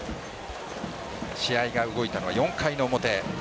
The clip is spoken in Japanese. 試合が動いたのは４回の表。